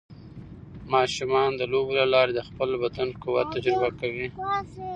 ماشومان د لوبو له لارې د خپل بدن قوت تجربه کوي.